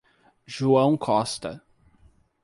João Costa